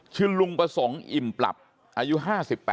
ชื่อลุงประสงค์อิ่มปลับอายุ๕๘ปี